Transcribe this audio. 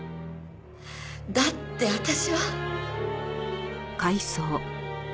だって私は。